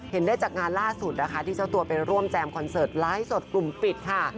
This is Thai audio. ได้จากงานล่าสุดนะคะที่เจ้าตัวไปร่วมแจมคอนเสิร์ตไลฟ์สดกลุ่มปิดค่ะ